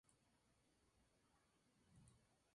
Es inferior inmediato al rango de brigadier general.